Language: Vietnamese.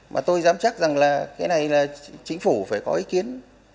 mà tôi dám chắc rằng là cái này là chính phủ phải có ý kiến